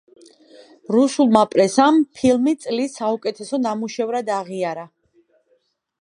რუსულმა პრესამ ფილმი წლის საუკეთესო ნამუშევრად აღიარა.